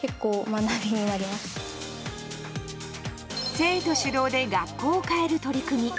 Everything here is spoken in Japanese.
生徒主導で学校を変える取り組み。